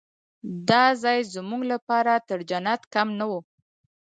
دا ځای زموږ لپاره تر جنت کم نه و.